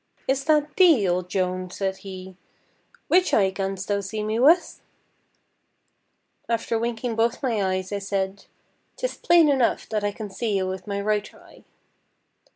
"Is that thee, old Joan?" said he. "Which eye canst thou see me with?" After winking both my eyes, I said: "'Tis plain enough that I can see you with my right eye."